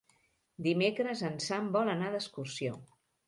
Dimecres en Sam vol anar d'excursió.